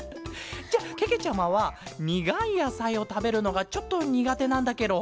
じゃけけちゃまはにがいやさいをたべるのがちょっとにがてなんだケロ。